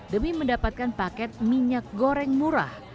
demi mendapatkan paket minyak goreng murah